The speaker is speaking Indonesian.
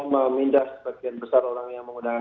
memindah sebagian besar orang yang menggunakan